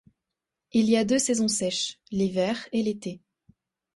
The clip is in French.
Il y a deux saisons sèches: l'hiver et l'été.